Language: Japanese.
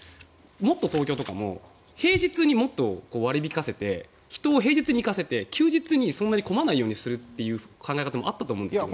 もっとＴｏｋｙｏとかも平日にもっと割り引かせて人を平日に行かせて休日に困らないようにするという考え方もあったと思うんですが。